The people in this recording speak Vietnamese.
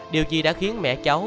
điều gì đã khiến mẹ cháu